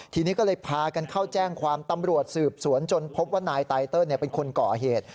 ทีนี้ก็เลยพากันเข้าแจ้งความตำรวจสืบสวนจนพบว่านายไตเติลเป็นคนก่อเหตุ